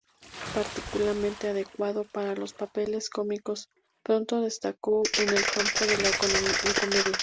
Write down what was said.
Particularmente adecuado para los papeles cómicos, pronto destacó en el campo de la comedia.